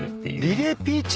リレーピーチ。